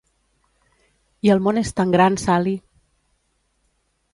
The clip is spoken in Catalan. I el món és tan gran, Sally!